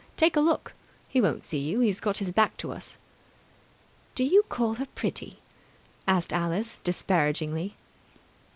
Take a look. He won't see you. He's got his back to us." "Do you call her pretty?" asked Alice disparagingly.